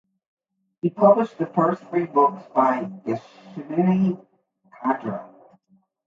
He published the first three books by Yasmina Khadra.